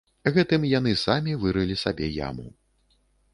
Гэтым яны самі вырылі сабе яму.